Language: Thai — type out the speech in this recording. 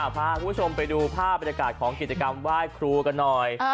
พาคุณผู้ชมไปดูภาพบรรยากาศของกิจกรรมไหว้ครูกันหน่อย